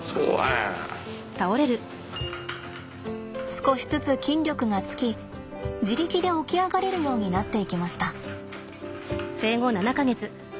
少しずつ筋力がつき自力で起き上がれるようになっていきました。